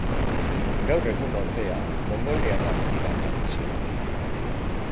Gaur egun ordea mongoliarrak dira nagusi.